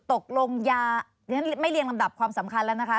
ตกลงยาฉันไม่เรียงลำดับความสำคัญแล้วนะคะ